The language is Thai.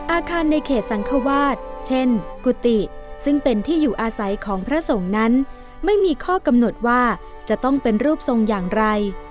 อาคารในเขตสังควาสเช่นกุฏิซึ่งเป็นที่อยู่อาศัยของพระสงฆ์นั้นไม่มีข้อกำหนดว่าจะต้องเป็นรูปทรงอย่างไร